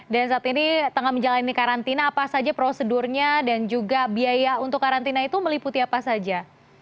dan saat ini tengah menjalani karantina apa saja prosedurnya dan juga biaya untuk karantina itu meliputi apa saja